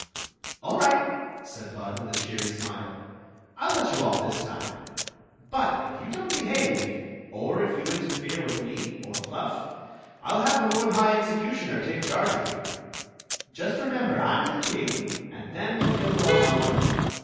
" All right," said Bud, with a cheery smile. " I '11 let you off this time. But if you don't behave, or if you interfere with me or Fluf( I 'U have the lord high executbnar tal» ch«^ of ymL Ji^ rra^sber I *m die king, and then we '11 get along all right.